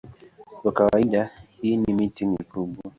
Kwa kawaida hii ni miti mikubwa.